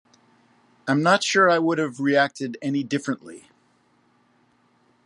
I'm not sure I would have reacted any differently.